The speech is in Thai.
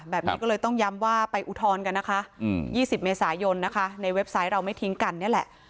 แบบนี้ก็เลยต้องย้ำว่าไปอุทธรณ์กันนะคะ๒๐เมษายนนะคะในเว็บไซต์เราไม่ทิ้งกันนี่แหละ